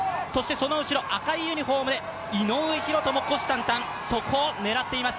その後ろ赤いユニフォームで井上大仁、虎視眈々とそこを狙っています。